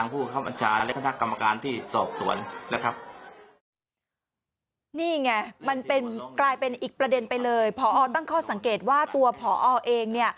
ผอตั้งข้อสังเกตว่าตัวผอเอง